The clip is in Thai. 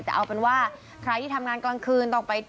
แต่เอาเป็นว่าใครที่ทำงานกลางคืนต้องไป